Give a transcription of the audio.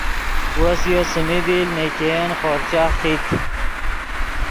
وس یو څیمین دیل نے ګین خورچہ خیت